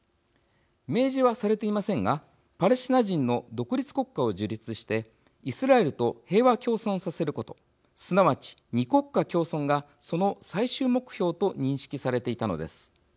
明示はされていませんがパレスチナ人の独立国家を樹立してイスラエルと平和共存させることすなわち２国家共存がその最終目標と認識されていたのです。